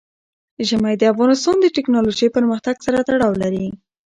ژمی د افغانستان د تکنالوژۍ پرمختګ سره تړاو لري.